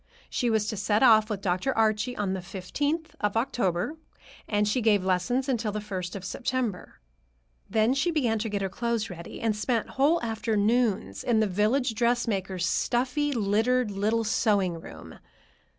She was to set off with Dr. Archie on the fifteenth of October, and she gave lessons until the first of September. Then she began to get her clothes ready, and spent whole afternoons in the village dressmaker's stuffy, littered little sewing room.